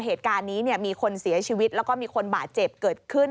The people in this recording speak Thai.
เหตุการณ์นี้มีคนเสียชีวิตแล้วก็มีคนบาดเจ็บเกิดขึ้น